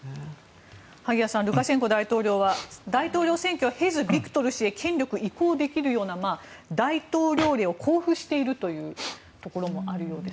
萩谷さんルカシェンコ大統領は大統領選挙は経ず、ビクトル氏へ権力を移行できるような大統領令を公布しているというところもあるようです。